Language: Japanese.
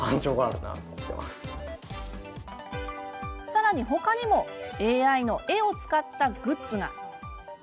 さらに、他にもＡＩの絵を使ったグッズが。